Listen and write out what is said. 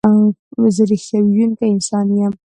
زه رښتیا ویونکی انسان یم.